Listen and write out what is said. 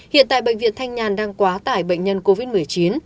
hiện tại bệnh viện thanh nhàn đang quá tải bệnh nhân covid một mươi chín